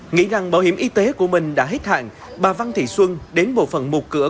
nghĩ rằng bảo hiểm y tế của mình đã hết hạn bà văn thị xuân đến bộ phận một cửa